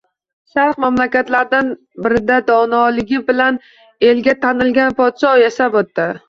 Sharq mamlakatlaridan birida donoligi bilan elga tanilgan podsho yashab o`tgan edi